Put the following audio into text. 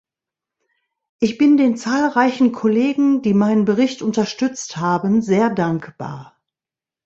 Ich bin den zahlreichen Kollegen, die meinen Bericht unterstützt haben, sehr dankbar.